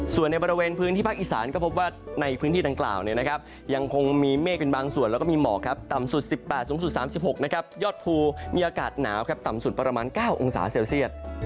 ส่วนในบริเวณพื้นที่ภาคอีสานก็พบว่าในพื้นที่ดังกล่าวยังคงมีเมฆเป็นบางส่วนแล้วก็มีหมอกครับต่ำสุด๑๘สูงสุด๓๖นะครับยอดภูมีอากาศหนาวต่ำสุดประมาณ๙องศาเซลเซียต